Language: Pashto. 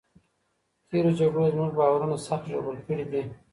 تېرو جګړو زموږ باورونه سخت ژوبل کړي دي.